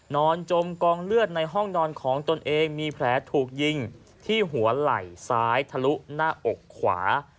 จมกองเลือดในห้องนอนของตนเองมีแผลถูกยิงที่หัวไหล่ซ้ายทะลุหน้าอกขวา